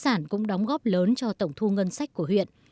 các nhà máy chế biến cũng đóng góp lớn cho tổng thu ngân sách của huyện